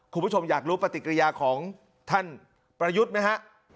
คุณผู้ชมอยากรู้ปฏิกิริยาของท่านประยุทธ์ไหมฮะ